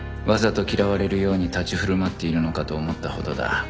わざと嫌われるように立ち振る舞っているのかと思ったほどだ